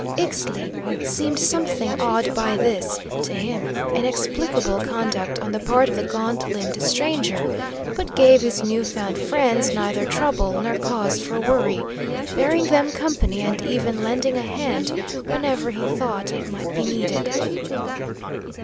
Ixtli seemed something awed by this (to him) inexplicable conduct on the part of the gaunt limbed stranger, but gave his new found friends neither trouble nor cause for worry, bearing them company and even lending a hand whenever he thought it might be needed.